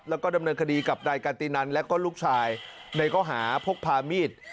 แล้วก็ดำเนินคดีกับนายกาตินันและก็ลูกชายในข้อหาพกพามีด